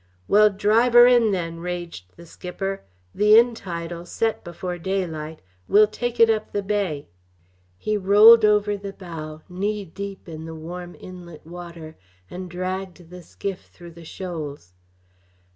"Well, drive her in, then!" raged the skipper. "The in tide'll set before daylight. We'll take it up the bay." He rolled over the bow, knee deep in the warm inlet water, and dragged the skiff through the shoals.